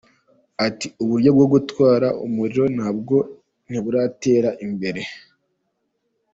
Ati “Uburyo bwo gutwara umuriro na bwo ntiburatera imbere.